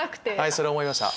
それ思いました。